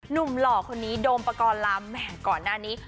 หนุ่มหล่อคนนี้โดมประกอลลามแหม่งก่อนหน้านี้